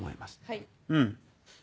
はい。